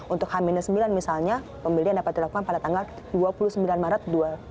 untuk h sembilan misalnya pembelian dapat dilakukan pada tanggal dua puluh sembilan maret dua ribu dua puluh